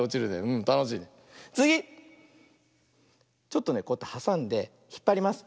ちょっとねこうやってはさんでひっぱります。